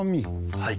はい。